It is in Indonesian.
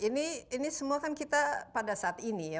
ini semua kan kita pada saat ini ya